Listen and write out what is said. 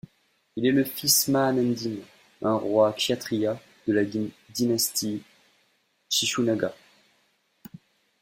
Il est le fils de Mahanandin, un roi Kshatriya de la dynastie Shishunaga.